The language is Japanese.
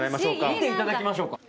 見ていただきましょうか。